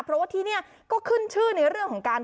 เพราะว่าที่นี่ก็ขึ้นชื่อในเรื่องของการ